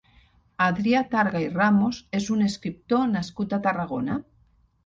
Adrià Targa i Ramos és un escriptor nascut a Tarragona.